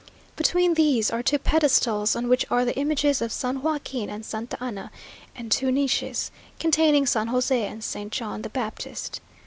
Between these are two pedestals, on which are the images of San Joaquin and Santa Anna, and two niches, containing San José and St. John the Baptist.